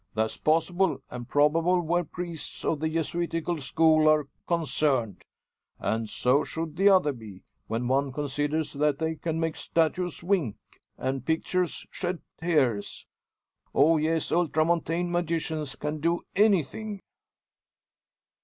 That's possible, and probable where priests of the Jesuitical school are concerned. And so should the other be, when one considers that they can make statues wink, and pictures shed tears. Oh! yes; Ultramontane magicians can do anything!"